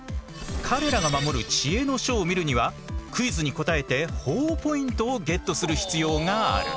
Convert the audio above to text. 彼らが守る知恵の書を見るにはクイズに答えてほぉポイントをゲットする必要がある。